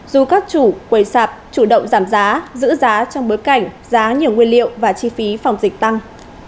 dù các chủ quầy sạp chủ động giảm giá giữ giá trong bối cảnh giá nhiều nguyên liệu và chi phí phòng dịch tăng